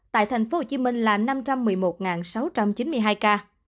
tại thành phố hồ chí minh là năm trăm một mươi một sáu trăm chín mươi hai ca